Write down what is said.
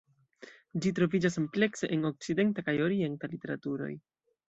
Ĝi troviĝas amplekse en okcidenta kaj orienta literaturoj.